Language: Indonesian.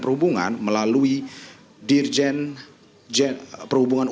saya mungkin sedikit terkait dengan apa yang sudah diberikan